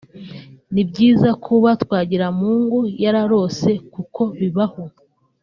Ni byiza kuba Twagiramungu yararose kuko bibaho